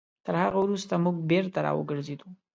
تر هغه وروسته موږ بېرته راوګرځېدلو.